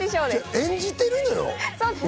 演じてるのよ。